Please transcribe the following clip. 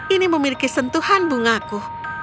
ini memiliki sentuhan bungaku